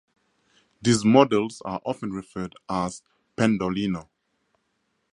These models are often referred as Pendolino.